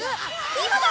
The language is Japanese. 今だ！